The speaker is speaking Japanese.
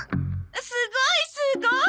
すごいすごい！